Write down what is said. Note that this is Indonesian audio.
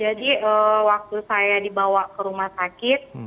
jadi waktu saya dibawa ke rumah sakit